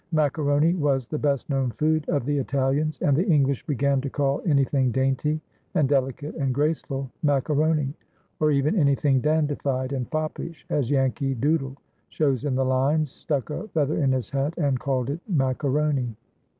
Macaroni was the best known food of the Italians, and the English began to call anything dainty and delicate and graceful "mac aroni," or even anything dandified and foppish, as "Yankee Doodle" shows in the fines, —" Stuck a feather in his hat, And called it macaroni."